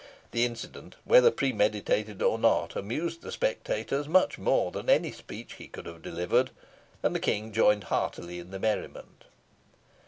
The incident, whether premeditated or not, amused the spectators much more than any speech he could have delivered, and the King joined heartily in the merriment.